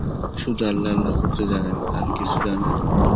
শুধু আল্লাহ-আল্লাহ করতে জানেন, আর কিছু জানেন?